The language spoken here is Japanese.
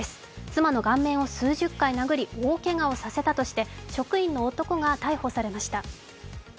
妻の顔面を数十回殴り大けがをさせたとして職員の男が逮捕されました。